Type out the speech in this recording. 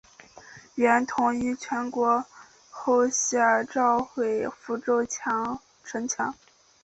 元统一全国后下诏毁福州城墙。